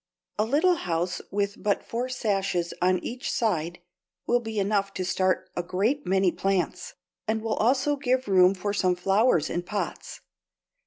A little house with but four sashes on each side will be enough to start a great many plants, and will also give room for some flowers in pots.